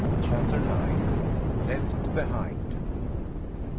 CHAPTER IX. LEFT BEHIND.